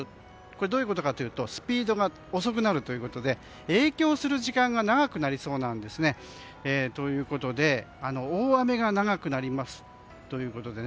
これどういうことかというとスピードが遅くなるということで影響する時間が長くなりそうなんですね。ということで大雨が長くなります。